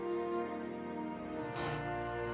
はあ。